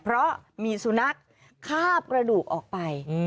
เพราะมีสุนัขคาบกระดูกออกไป